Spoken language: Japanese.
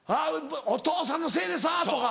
「お父さんのせいでさ！」とか。